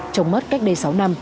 trông mất cách đây sáu năm